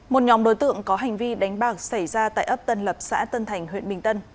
một nhóm đối tượng có hành vi đánh bạc xảy ra tại ấp tân lập xã tân thành huyện bình tân